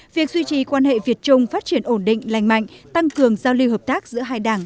việc duy trì quan hệ việt trung phát triển ổn định lành mạnh tăng cường giao lưu hợp tác giữa hai đảng